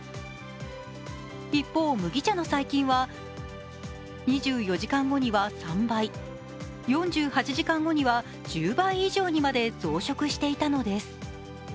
一方、麦茶の細菌は２４時間後には３倍、４８時間後には１０倍以上にまで増殖していたのです。